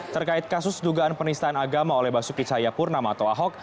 terkait kasus dugaan penistaan agama oleh basuki cahayapurnama atau ahok